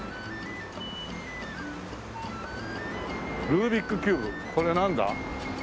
ルービックキューブこれなんだ？